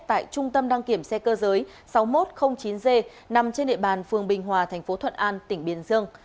tại trung tâm đăng kiểm xe cơ giới sáu nghìn một trăm linh chín g nằm trên địa bàn phường bình hòa tp thuận an tỉnh biên dương